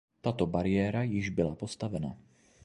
Tato bariéra již byla postavena.